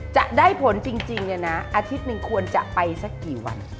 จะได้ผลจริงนะอาทิตย์๑ควรจะไปสักกี่วัน